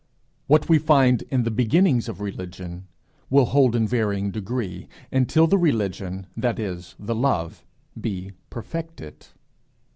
What we find in the beginnings of religion, will hold in varying degree, until the religion, that is the love, be perfected.